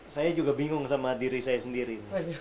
saya juga bingung sama diri saya sendiri